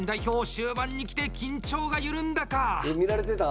終盤に来て緊張が緩んだか。